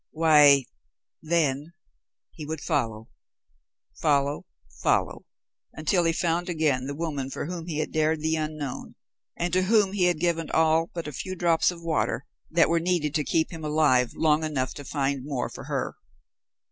Why, then he would follow follow follow until he found again the woman for whom he had dared the unknown and to whom he had given all but a few drops of water that were needed to keep him alive long enough to find more for her.